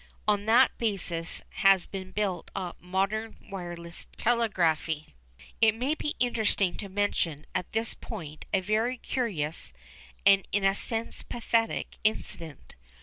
On that basis has been built up modern wireless telegraphy. It may be interesting to mention at this point a very curious, and in a sense pathetic, incident.